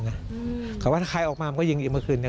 แต่ว่าถ้าใครออกมามันก็ยิงเมื่อคืน